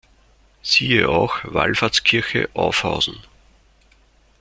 Siehe auch: Wallfahrtskirche Aufhausen